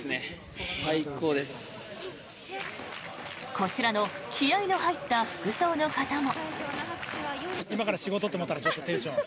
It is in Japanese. こちらの気合の入った服装の方も。